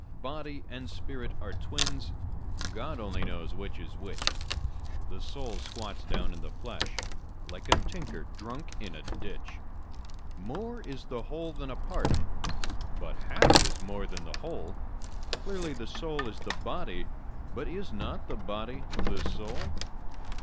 Body and spirit are twins: God only knows which is which: The soul squats down in the flesh, like a tinker drunk in a ditch. More is the whole than a part: but half is more than the whole: Clearly, the soul is the body: but is not the body the soul?